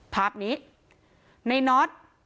ภาพนี้ในน็อต